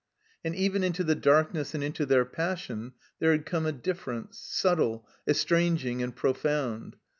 And even into the darkness and into their passion there had come a difference, subtle, estranging, and profound.